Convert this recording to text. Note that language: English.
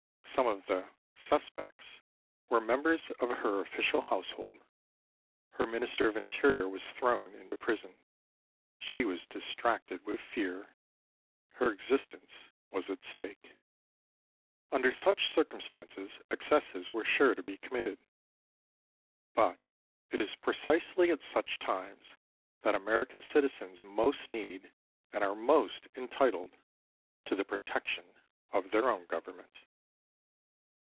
Some of the "suspects" were members of her official household. Her Minister of Interior was thrown into prison. She was distracted with fear. Her existence was at stake. Under such circumstances excesses were sure to be committed. But it is precisely at such times that American citizens most need and are most entitled to the protection of their own government.